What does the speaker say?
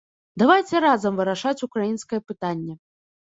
Давайце разам вырашаць украінскае пытанне.